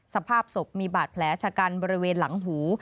สภาพศพมีบาดแผลชะกันบริเวณหลังหู